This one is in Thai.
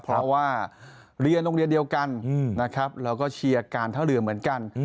เพราะว่าเรียนโรงเรียนเดียวกันนะครับแล้วก็เชียร์การท่าเรือเหมือนกัน